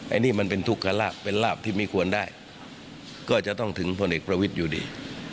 อันนี้มันเป็นทุกขลาบเป็นลาบที่ไม่ควรได้ก็จะต้องถึงพลเอกประวิทย์อยู่ดี